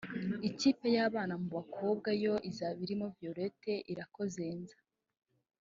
Ikipe y’abana mu bakobwa yo izaba irimo Violette Irakozenza